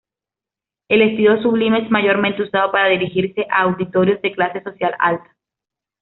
El estilo sublime es mayormente usado para dirigirse a auditorios de clase social alta.